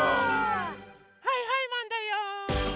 はいはいマンだよ！